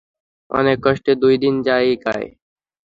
অনেক কষ্টে দুই-দিন জায়গায়।